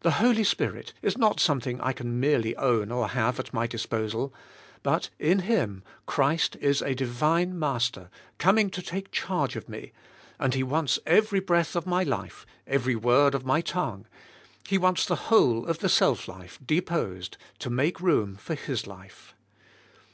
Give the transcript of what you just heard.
The Holy Spirit is not something* I can merely own or have at my disposal, but in Him Christ is a Di vine Master, coming" to take charge of me, and He wants every breath of my life, every word of my tong ue; He wants the whole of the self life deposed to make room for His life.